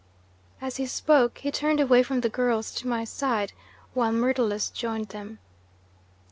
"As he spoke he turned away from the girls to my side, while Myrtilus joined them.